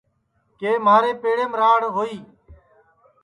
کہ مہارے پیڑیم راڑ ہوئی